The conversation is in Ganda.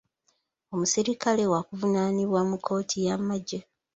Omusirikale waakuvunaanibwa mu kkooti y'amagye.